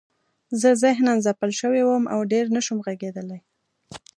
زه ذهناً ځپل شوی وم او ډېر نشوم غږېدلی